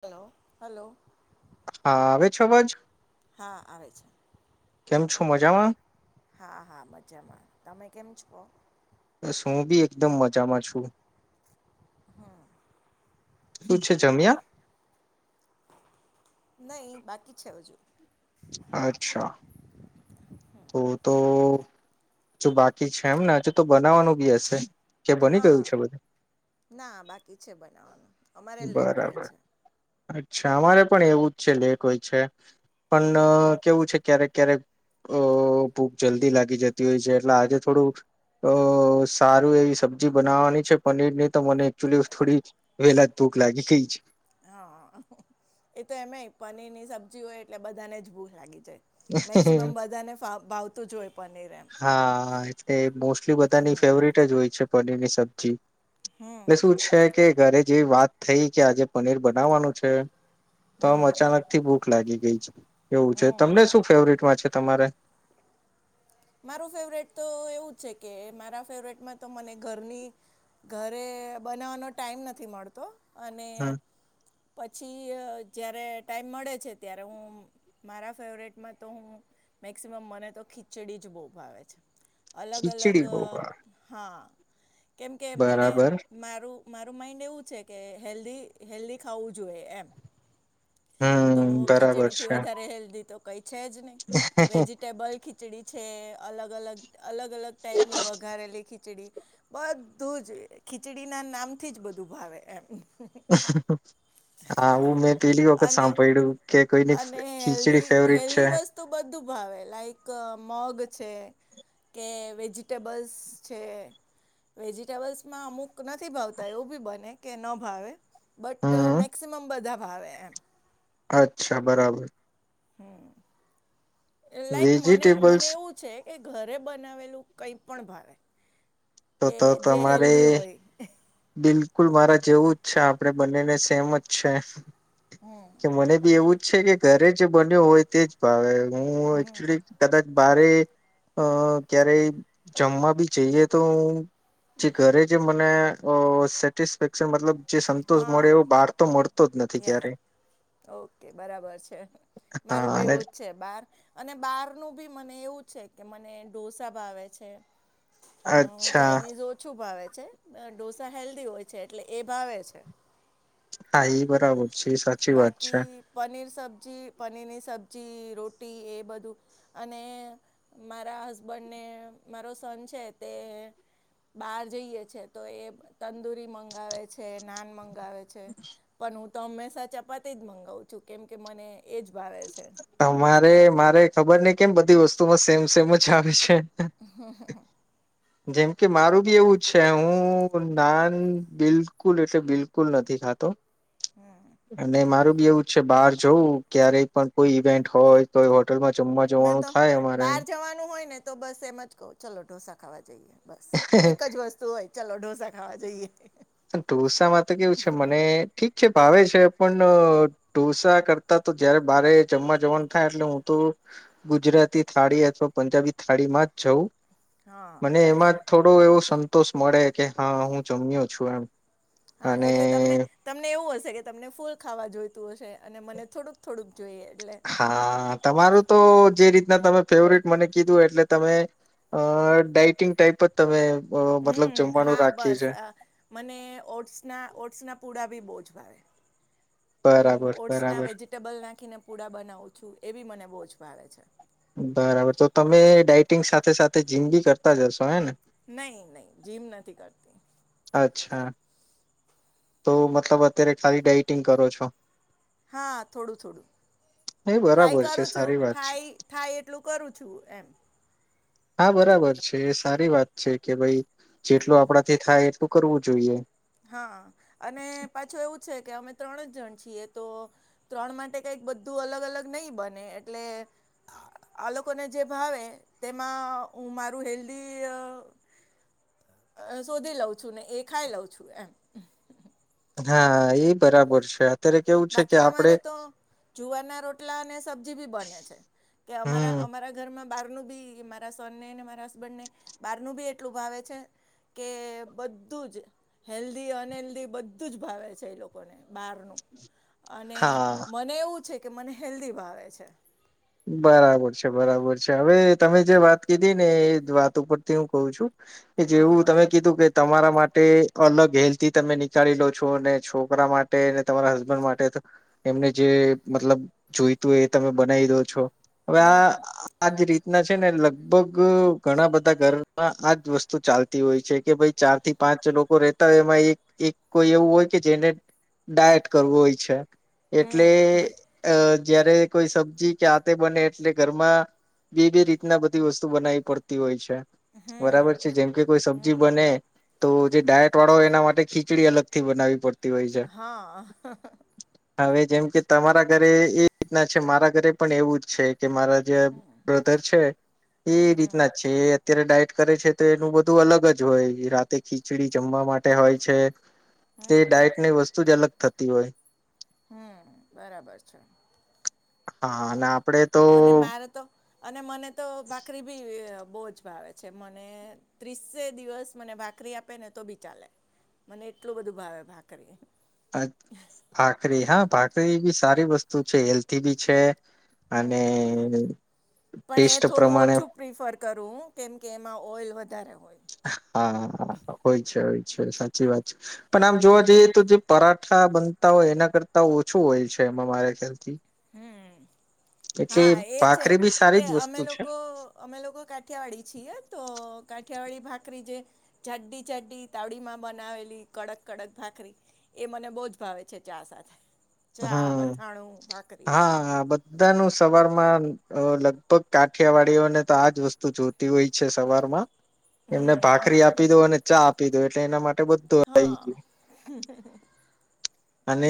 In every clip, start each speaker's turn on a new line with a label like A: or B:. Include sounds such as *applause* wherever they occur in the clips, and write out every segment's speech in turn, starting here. A: Hello hello! '
B: હા આવે છે અવાજ
A: હા આવે છે.
B: કેમ છો મજામાં?
A: હા હા મજામાં, તમે કેમ છો?
B: હું બી એકદમ મજામાં છું. શું છે જમિયા?
A: બાકી છે હજુ.
B: અચ્છા! તો તો, જો બાકી છે એમને હજ તો બનાવવાનું બી હશે.? કે બની
A: હા,
B: ગયું છે બધું
A: ના બાકી છે બનાવવાનું. અમારે લેટ હોય
B: બરાબર
A: છે.
B: અચ્છા અમારે પણ એવું જ છે, લેટ હોય છે, પણ કેવું છે? ક્યારેક ક્યારેક અ ભૂખ જલ્દી લાગી જતી હોય છે. એટલે આજે થોડું, અ સારું એવી સબ્જી બનાવવાની છે. પનીરની તો, મને એકચુલી થોડી વહેલા જ ભૂખ લાગી ગઈ છે.
A: હા, એ તો એમે ય પનીર ની સબ્જી હોય, એટલે બધાને જ ભૂખ લાગે. મેક્સિમમ બધાને ફા ભાવતું જ હોય પનીર. એમ
B: હા, આઆ એટલે મોસ્ટલી બધાની ફેવરિટ જ હોય છે, પનીરની સબ્જી.
A: હમ
B: ને શું છે? કે ઘરે જેવી વાત થઈ કે આજે પનીર બનાવવાનું છે. તો આમ અચાનક થી ભૂખ લાગી ગઈ છે. એવું છે.
A: હમ
B: તમને શું ફેવરિટમાં છે.? તમારે?
A: માર ફેવરરટ તો એવું છે કે, મારા ફેવરીટમાં તો મને ઘરની ઘરે બનાવવાનો ટાઈમ નથી મળતો, અને
B: હમ
A: પછી અ જ્યારે ટાઈમ મળે છે, ત્યારે હું મારા ફેવરીટમાં તો હું મેક્સિમમ મને તો ખીચડી જ બહુ ભાવે છે. અલગ અલગ
B: ખીચડી બહુ ભાવે
A: હા, કેમકે, મને
B: બરાબર
A: મારું! મારું માઇન્ડ એવું છે કે, હેલ્ધી હેલ્ધી ખાવું જોઈએ એમ. તો
B: હમ બરાબર
A: ખીચડી થી
B: છે
A: વધારે હેલ્ધી તો કઈ છે જ નહી. વેજીિટેબલ ખી ખીચડી છે. અલગ અલગ, અલગ અલગ ટાઈપ ની વઘારેલી ખીચડી. બધું જ, ખીચડી ના નામથી જ બધું ભાવે એમ
B: *inaudible* આવુ મેં પેલી વખત
A: અને
B: સાંભળ્યું કે કોઈની
A: અને
B: ખીચડી
A: હેલ્ધી
B: ફેવરિટ છે.
A: હેલ્ધી વસ્તુ બધું ભાવે લાઈક અ મગ છે, કે વેજીિટેબલ્સ છે. વેજીિટેબલ્સ માં અમુક નથી ભાવતા એવું બી બને કે ન ભાવે. બટ
B: હમ
A: મેક્સિમમ બધા ભાવે એમ.
B: અચ્છા બરાબર.
A: હમ. લાઈક મને
B: વેજીિટેબલ્સ
A: મને એવું છે કે ઘરે બનાવેલું કઈ પણ ભાવે.
B: તો
A: કે
B: તો
A: જે
B: તમારે
A: હેલ્ધી હોય.
B: બિલકુલ મારા જેવું જ છે આપડે બંનેને સેમ જ છે. કે મને બી એવું જ છે કે ઘરે જે બન્યુ હોય તે જ ભાવે. હું એક્ચુલી કદાચ બારે, અ ક્યારેય જમવા બી જઈએ તો હું જે ઘરે જે મને અ સેટિસ્ફેક્શન મતલબ જે સંતોષ મળે
A: હા
B: એવો બહાર તો મળ મળતો જ નથી
A: યા
B: ક્યારેય.
A: ઓકે બરાબર છે. મારું
B: હા
A: બી
B: અને
A: એવું જ છે બાર અને બાર નું બી મને એવું જ છે કે મને ઢોસા ભાવે છે, અ
B: અચ્છા
A: ચાઇનીઝ ઓછું ભાવે. છે ઢોસા હેલ્ધી હોય છે એટલે એ ભાવે છે.
B: હા એ બરાબર. છે સાચી વાત છે
A: બાકી પનીર સબ્જી પનીર ની સબ જી રોટી એ બધું અને મારા હસબન્ડને મારો સન છે તે બહાર જઈએ છે તો એ તંદુરી મંગાવે છે નાન મંગ ગાવે છે, પણ હું તો હંમેશા ચપાતી જ મંગાવું છું કેમ કે મને એજ
B: તમારે મારે ખબર નહિ કેમ બધી વસ્તુમાં સેમ સેમ જ આવે છે.
A: હ *unintelligible*
B: જેમ કે મારું બી એવું જ છે હું નાન બિલકુલ એટલે બિલકુલ નથી ખા ખાતો. અને મારું બી એવું છે બહાર જવું ક્યારેય પણ કોઈ ઈવેન્ટ હોય તો હોટલમાં જમવા
A: મેં
B: જવાનું
A: તો,
B: થાય અમારે
A: બહાર જવાનું હોય ને તો બસ એમ જ કહ ચલો ઢોસા ખાવા જઈએ. બસ એક જ વસ્તુ હોય ચાલ ઢોસા ખાવા જઈએ.
B: ટુલસામાં તો કેવું છે મને ઠીક ચ ભાવે છે પણ ઢોસા કરતા તો જયારે બારે જમવા જવાનું થાય એટલે હું તો ગુજરાતી થાળી અથવા પંજાબી થાળી માં જ જવું.
A: હા બરાબર.
B: એવો સંતોષ મળે કે હા હું જમ્યો છું એમ.
A: હા
B: અને
A: એટલે તમને, તમને એવું હશે કે તમને ફૂલ ખાવા જોઈતું હશે અને મને થોડુંક થોડુંક જોઈએ એટલે
B: હા તમારું તો જે રીતે તમે ફેવરેટ મને કીધું એટલે તમે, અ ડાઈટિંગ ટાઈપ જ તમે અ મતલબ
A: હમ
B: જમવાનું
A: હા
B: રાખ્યું
A: બસ,
B: છે
A: મને ઓટ્સ ના ઓટ્સ ના પુડા ભી બો જ હું
B: બરાબર
A: ઓટ્સ ના
B: બરાબર
A: વેજીિટેબલ નાખીને પૂડા બનાવું છું. છું એ બી મને બહુ જ ભાવે છે.
B: બરાબર તો તમે ડઇટિંગ સાથે સાથે જીમ બી કરતા જશો હે ને.
A: નહી નહી જીમ નથી કરતી.
B: અચ્છા, તો મતલબ અત્યારે ખાલી ડઇટિંગ કરો છો.
A: હા થોડું થોડું.
B: એ
A: ટ્રાય
B: બરાબર છે
A: કરું છું
B: સારી વાત છે
A: થાય થાય એટલું કરું છું એમ.
B: હા બરાબર છે એ સારી વાત છે કે ભાઈ જેટલું આપડાથી થાય ું કરવું જોઈએ.
A: હા અને પાછું એવું છે કે અમે ત્રણ જ જણ તો ત્રણ માટે કક બધું અલગ અલગ નહી બને એટલે લોકોને જે ભાવે તેમાં હ મારું હેલ્ધ
B: *inaudible*
A: શોધી લઉં છું ને એ ખાઈ લઉં છું એમ
B: હા એ બરાબર છે અત્યારે કેવું છે કે
A: બાકી
B: આપડે
A: અમારે તો જુવારના રોટલા અને સબ્જી બી બને છે. કે અમારા
B: હમ
A: અમારા ઘરમાં બહારનું બી મારા સનને ને મારા હસબન્ડને બારનું બી એટલું ભાવે છે. કે બધું જ હેલ્ધી અનહેલ્ધી બધું જ ભાવે છે એ લોકોને બહારનું અને
B: હા
A: મને એવું છે કે મને હેલ્ધી ભાવે છે.
B: બરાબર છે બરાબર છે હવે તમે જે વાત કીધી ને એ વાત ઉપરથી હું કઉ છું. કે
A: હા
B: જેવું તમે કીધું કે તમારા માટે અલગ હેલ્થી તમે નીકાળી લો છો છોકરા માટે ને તમારા હસબન્ડ માટે એમને જે મતલબ જોઈતું હોય એ તમે બનાવી દો હવે
A: હમ
B: આ આજ રીતે રી ના છે ને લગભગ ઘણા બધા ઘરમાં આજ વસ્તુ ચાલતી હોય છે. કે ભાઈ ચાર થી પાંચ લોકો રહે. તો એમાં એક એક કોઈ એવું હોય કે જેને ડાયટ કરવું હોય છે. એટલે
A: હમ
B: અ જયારે કોઈ સબ્જી કેતે બને એટલે ઘરમાં બે બે રીતના બધી વસ્તુ બનાવી પડતી હોય છે. બરાબર છે જેમ કે કોઈ સબ્જી
A: હમ
B: બને તો જે ડાયટ વાળો હોય એના માટે ખીચડી અલગથી બનાવી પડતી. હોય છે
A: હા
B: હવે જેમ કે તમારા ઘરે એ રીતના છે મારા ઘરે પણ એવું જ છે. કે મારા જે બ્રધર છે એ રીતના છે. અત્યારે ડાયટ કરે છે તો એનું બધું અલગ જ હોય રાતે ખીચડી જમવા માટે હોય છે. તે ડાયટ ની વસ્તુ જ અલગ થતી હોય.
A: હમ બરાબર છે
B: હા ના
A: મને મારે તો અને મને તો ભાખરી બી બહુજ ભાવે છે મને ત્રીસે દિવસ મને ભાખરી આપે ને તો બી ચાલે મને એટલું બધું ભાવે ભા કરીરી
B: ભાખરી હા ભાખરી બી સારી વસ્તુ છે હેલ્થી બી છે. અને
A: પણ
B: ટેસ્ટ
A: એ થોડું
B: પ્રમાણે
A: ઓછું પ્રિફર કરું કેમકે એમાં ઓઈલ વધારે હોય
B: હા હોય છે હોય છે સાચી વાત છે પણ આમ જોવા જઈએ તો જે પરાઠા બનતા હોય એના કરતા ઓછું હોય છે એમાં મારા ખ્યાલથી
A: હમ
B: એક
A: હા એ છે કે અમે લોકો અમે લોકો કાઠિયાવાડી છીએ તો વાળી ભાખરી જે જાડડી જાડડી તાવડીમાં બનાવેલી કડક કડક ભાખરી મને બહ જ ભાવે છે ચા સાથે ચા
B: હમ
A: અથાણું ભાખરી
B: હા બધા ન સવાર માં લગભગ કાઠિયાવાડીઓને તો આજ વસ્તુ જોત હોય છે સવારમાં એમને
A: હમ
B: ભાખરી આપી દો અને ચા આપી દો એટલે એના માટે બધું આવી
A: હા
B: ગયું અને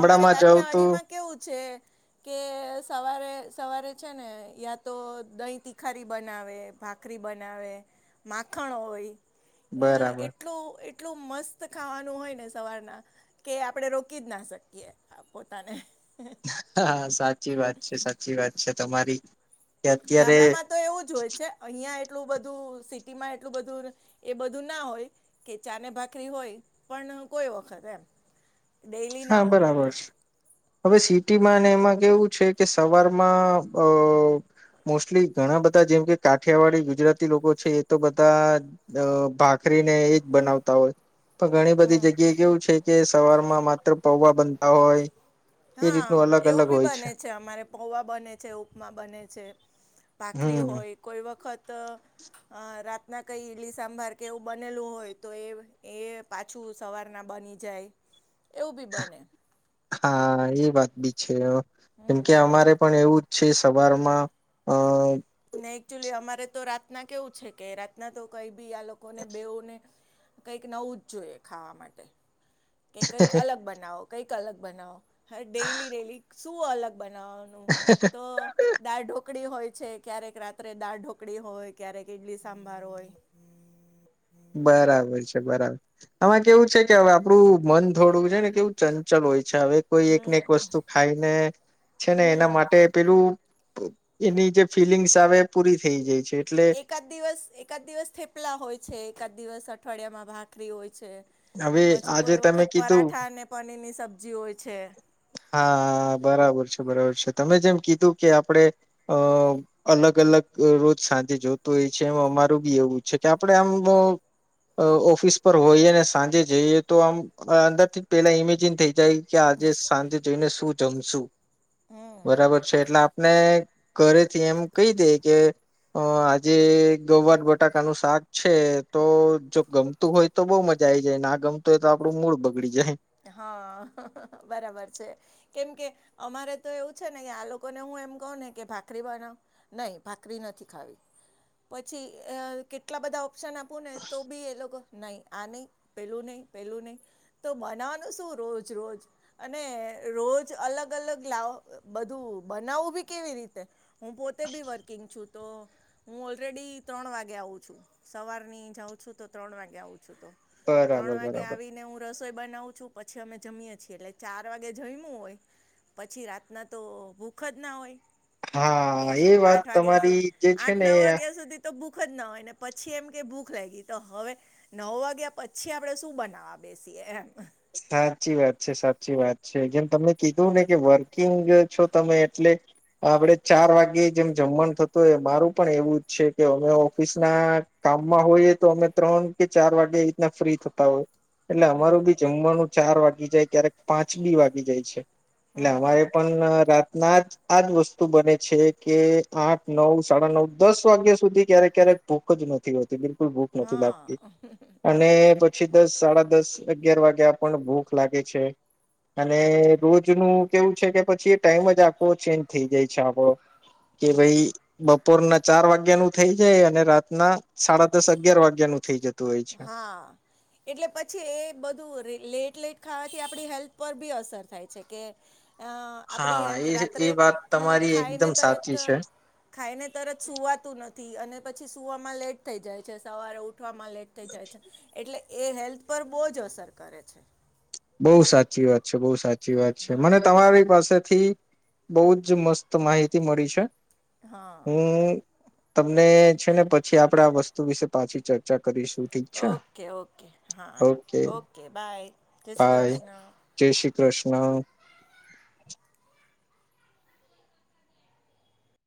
A: અમારે
B: જાવ તો
A: કાઠિયાવાડી માં કેવું છે કે સવારે સવારે છે ને યા તો દહી તિખારી બનાવે ભાખરી બનાવે માખણો હોય અ
B: બરાબર
A: એટલું એટલું મસ્ત ખાવાનું હોય ને સવારના કે આપડે ર કી જ ના શકીએ પોતાને
B: હા સાચી વાત છે સાચી વાત છે તમારી કે અત્યારે
A: ગામડામાં તો એવું જ હોય છે અહિયાં એટલું બધું સિટીમાં એટલું બધું એ બધું ના હોય કે ચાને ભાખરી હોય પણ કોઈ વખત એમ ડેઈલી
B: હા
A: ના હોય
B: બરાબર હવે સીટ. ટીમાં અને એમાં કેવું છે કે સવારમાં અ મોસ્ટલી ઘણા બધા જેમ કે કાઠિયાવાડી ગુજરાતી લોકો છે એ તો બધા ભાગ આખરી ને એજ બનાવતા હોય પણ ઘણી બધી
A: હમ
B: જગ્યાએ કેવું છે કે સવાર માં માત્ર પૌવા બનતા હોય એ
A: હા
B: રીતનું અલગ
A: એવું
B: અલગ
A: બી
B: હોય
A: બને છે અમારે પોૌવા બને છે ઉપમા બને છે. ભાખરી
B: હમ
A: હોય કોઈ વખત. અ રાતના કઈ ઈડલી સાંભાર કે એવું બનેલું હોય તો એ એ પાછું સવારના. બની જાય એવું બી બને
B: હા એ વાત બી છે કેમકે અમારે પણ એવું છે સવારમાં અ
A: ને એકચુલી અમારે તો રાતના કેવું છે કે રાતના તો કઈ બી આ લોકોને બેઓને કઈક નવું જ જોઈએ ખાવા માટે કે કઈક અલગ બનાવો કંઈક અલગ બનાવો હ ડેઈલી ડેલી શું અલગ બનાવાનું તો દાઢો ઢોકડી હોય છે ક્યારેક રાત્રે દાળ ઢોકળી હોય ક્યારેક ઈડલી સાંભાર હોય.
B: *inaudible* બરાબર છે બરાબર આમાં કેવું છે કે હવે આપડું મન થોડું છે ને કેવું ચંચલ હોય છે. અચ્છા હવે કોઈ એકને
A: હમ
B: એક વસ્તુ ખાઈને છે ને એના
A: હમ
B: માટે પેલું. એની જે ફિલિંગ્સ આવે પૂરી થઈ જાય છે. એટલે
A: એકાદ દિવસ એકાદ દિવસ થેપલા હોય છે એકાદ દિવસ અઠવાડિયામાં ભાખરી હોય છે.
B: હવે
A: પછી
B: આજે
A: કોઈ
B: તમે
A: વખત
B: કીધું
A: પરાઠા અને પનીર ની સબ્જી હોય છે
B: હા બરાબર છે બરાબર છે. તમે જેમ કીધું કે આપડે અ અલગ અલગ રોજ સાંજે જોતું હોય છે એ મારું બી એવું છે કે આપડે આમ ઓફિસ પર હોઈને સાંજે જઈએ તો આમ અંદર થી પેલા ઈમેજિન થઇ જાય. કે આજે સાંજે જઈને શું જમશું બરાબર છે એટલે આપને ઘરેથી એમ કઈ દ કે અ આજે ગૌબર બટાકાનું શાક છે તો જો ગમતું હોય તો બઉ મ જાય જાય ના ગમતોું હોય તો આપડું મૂળ બગડી જાય.
A: હા બરાબર છે કેમ કે અમારે તો એવું છે ને કે આ લોકોને હું એમ કહ ને કે ભાખરી બનાવ નહી ભાખરી નથી ખાવી. પછી કેટલા બધા આપને તો બી એ લોકો નહી આ નહી પેલું નહી પેલું નહી તો બ રોજ રજ અને રોજ અલગ અલગ લ બું બ આવું બી કેવી રીતે હું પોતે બી વર્કિંગ છું. તો હું ઓલરેડી ત્રણ વાગે આવું છું સવારની જાઉં છું તો ત્રણ વાગે આવું છું. ત્રણ
B: બરાબર
A: વાગે
B: બરાબર
A: આવીને હું રસોઈ બનાવ. પછી અમે જમીએ છીએ એટલે ચાર વાગે જયું હોય. પછી રાતના તો ભૂખ જ ના હોય.
B: હા.
A: કે
B: એ વાત
A: આઠ વાગ્યા
B: તમારી
A: સુધી
B: જે છે
A: આઠ
B: ને
A: નવ
B: એ
A: વાગ્યા સુધી તો ભૂખ જ ના હોય ને પછી એમ કે ભૂખ લ તો હવે નવ વાગ્યા પછી આપણે શું બનાવા બેસીએ એમ
B: સાચી વાત છે સાચી વાત છે જેમ તમે કીધું ને કે વર્કિંગ છો તમે એટલે આપડે ચાર વાગ્યે જેમ જમનુ થતું હોય મારું પણ એવું જ છે કે અમે ઓફિસ ના કામમાં હોઈએ તો અમે ત્રણ કે ચાર વાગે એ રીતના ફ્રી થતા હોય. એટલે અમારું બી જમવાનું ચાર વાગી જાય ત્યારે પાંચ બી વાગી જાય છે. એટલે
A: હમ
B: અમારે પણ રાત ના આજ વસ્તુ બને છે કે આઠ નવ સાડા નવ દસ વાગ્યા સુધી ક્યારેક ક્યારેક ભૂખ જ નથી હોતી બિલકુલ ભૂખ નથી લાગતી
A: હા
B: અને પછી દસ સાડા દસ અગિયાર વાગ્યા પણ ભૂખ લાગે છે. અને રોજ ન કેવું છે કે પછી ટાઈમ જ આખો ચેન્જ થઈ જાય છે આપણો. કે ભાઈ બપોરના ચાર વાગ્યા નું થઈ જાય અને રાતના સાડા દસ અગિયાર વાગ્યા નું થઈ જત
A: હા એટલે પછી એ બધું લેટ લેટ ખાવાથી આપડી હેલ્થ પર બી અસર થાય છે કે. આપણી
B: હા એ
A: હેલ્થ
B: એ
A: રાત્રે
B: વાત
A: અ
B: તમારી
A: ખાઈને
B: એકદમ
A: તરત
B: સાચી છે.
A: ખાઈને તરત સુવાતું નથી અને પછી સુવામાં લેટ થઈ જાય છે સવારે ઉઠવામાં લેટ થઈ જાય છે એટલે એ હેલ્થ પર બહુ જ અસર કરે છે.
B: બહુ સાચી વાત છે બહુ સાચી વાત છે મને તમારી પાસે થી બહુ જ મસ્ત માહિતી મળી છે
A: હા
B: હું તમને છે ને પછી આપડે આ વસ્તુ વિશે પાછી ચર્ચા કરીશું ઠીક છે
A: ઓકે ઓકે હા ઓકે બાય જય શ્રી
B: બાય.
A: કૃષ્ણ.
B: જય શ્રી કૃષ્ણ